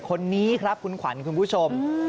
คนนี้ครับคุณขวัญคุณผู้ชม